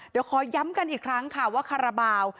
เดี๋ยวขอย้ำกันอีกครั้งค่ะว่าคาราบาล